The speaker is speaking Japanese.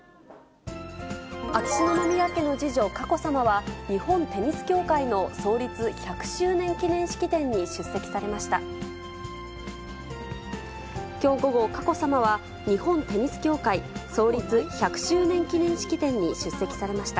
秋篠宮家の次女、佳子さまは、日本テニス協会の創立１００周年記念式典に出席されました。